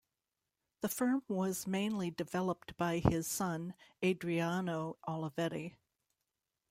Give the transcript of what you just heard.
The firm was mainly developed by his son Adriano Olivetti.